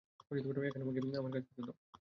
এখন আমাকে আমার কাজ করতে দাও।